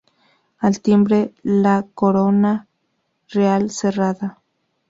Al timbre la corona real, cerrada.